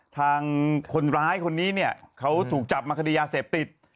ทางคนร้ายคนนี้เนี่ยเขาถูกจับมาคดียาเสพติด